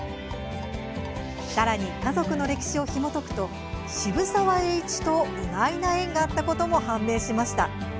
さらに、家族の歴史をひもとくと渋沢栄一と意外な縁があったことも判明しました。